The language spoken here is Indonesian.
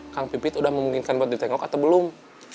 kang pipit sudah memungkinkan buat ditengok atau belum